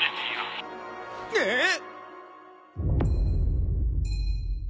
えっ！？